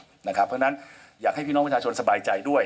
เพราะฉะนั้นอยากให้พี่น้องประชาชนสบายใจด้วย